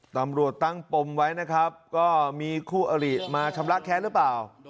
ตำรวจตั้งปมไว้มีคู่อลีตมาช้ำลักแค้นหรือเปล่า